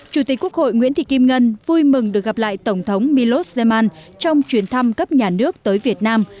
chủ tịch quốc hội nguyễn thị kim ngân vui mừng được gặp lại tổng thống milos zeman trong chuyển thăm cấp nhà nước tới việt nam